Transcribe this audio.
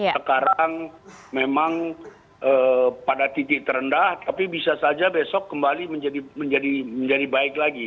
sekarang memang pada titik terendah tapi bisa saja besok kembali menjadi baik lagi